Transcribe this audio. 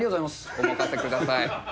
お任せください。